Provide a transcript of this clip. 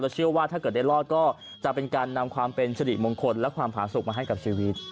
เชื่อว่าถ้าเกิดได้รอดก็จะเป็นการนำความเป็นสิริมงคลและความผาสุขมาให้กับชีวิต